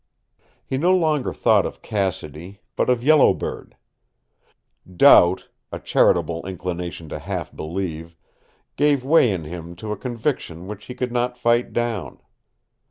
He no longer thought of Cassidy, but of Yellow Bird. Doubt a charitable inclination to half believe gave way in him to a conviction which he could not fight down.